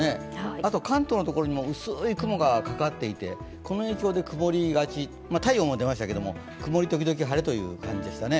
あと関東の所にも薄い雲がかかっていて、この影響で曇りがち、太陽も出ましたけど曇り時々晴れという感じでしたね。